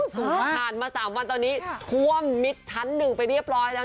ผ่านมา๓วันตอนนี้ท่วมมิดชั้น๑ไปเรียบร้อยแล้ว